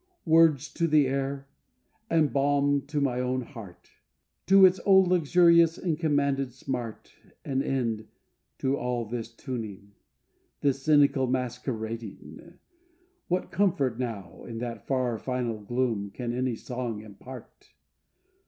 Words to the air, and balm to my own heart, To its old luxurious and commanded smart. An end to all this tuning, This cynical masquerading; What comfort now in that far final gloom Can any song impart?